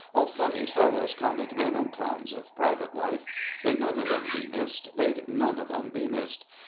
All funny fellows, comic men, and clowns of private life— They'd none of 'em be missed—they'd none of 'em be missed.